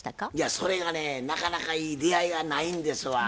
それがねなかなかいい出会いがないんですわ。